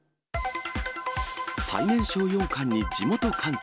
最年少四冠に地元歓喜。